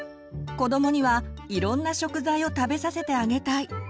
子どもにはいろんな食材を食べさせてあげたい！